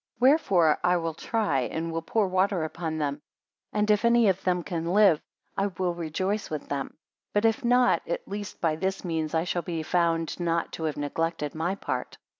18 Wherefore I will try, and will pour water upon them, and if any of them can live, I will rejoice with them; but if not, at least by this means I shall be found not to have neglected my part.